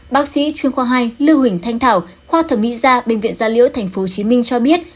bác sĩ chuyên khoa hai lưu huỳnh thanh thảo khoa thẩm mỹ gia bệnh viện gia liễu tp hcm cho biết